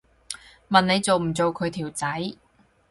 問你做唔做佢條仔